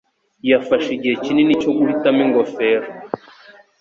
Yafashe igihe kinini cyo guhitamo ingofero.